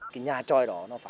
cái nhà trôi đó nó phải